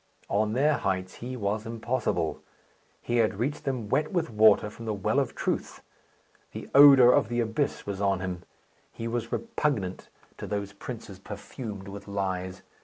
On their heights he was impossible. He had reached them wet with water from the well of Truth; the odour of the abyss was on him. He was repugnant to those princes perfumed with lies.